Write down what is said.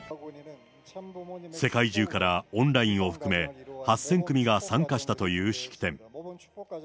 世界中からオンラインを含め、８０００組が参加したという式典。